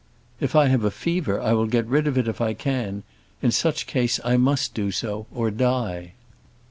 "If I have a fever, I will get rid of it if I can; in such case I must do so, or die."